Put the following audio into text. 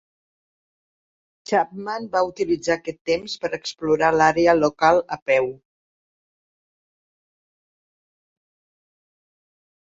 Chapman va utilitzar aquest temps per explorar l'àrea local a peu.